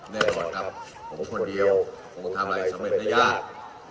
แน่นอนครับผมคนเดียวผมทำอะไรสำเร็จได้ยาก